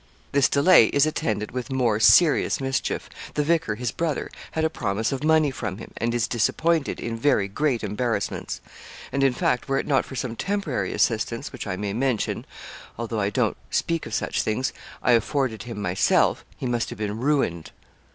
'This delay is attended with more serious mischief. The vicar, his brother, had a promise of money from him, and is disappointed in very great embarrassments; and, in fact, were it not for some temporary assistance, which I may mention although I don't speak of such things I afforded him myself, he must have been ruined.'